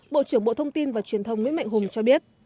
bộ trưởng bộ thông tin và truyền thông nguyễn mạnh hùng cho biết